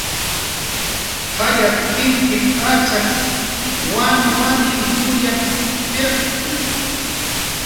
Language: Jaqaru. "Jayas jintil achaks wanwaniw muyap"" pirqkna"